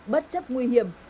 bất chấp nguy hiểm